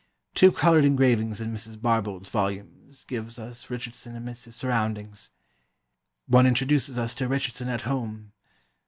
Two coloured engravings in Mrs. Barbauld's volumes give us Richardson amidst his surroundings.... One introduces us to Richardson at home.